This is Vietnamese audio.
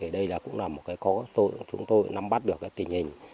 đây cũng là một cái khó khăn chúng tôi nắm bắt được tình hình